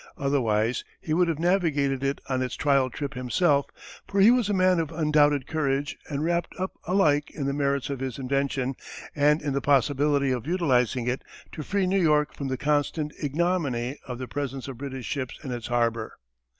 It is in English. Otherwise he would have navigated it on its trial trip himself for he was a man of undoubted courage and wrapped up alike in the merits of his invention and in the possibility of utilizing it to free New York from the constant ignominy of the presence of British ships in its harbour.